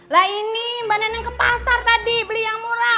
lah ini mbak neneng ke pasar tadi beli yang murah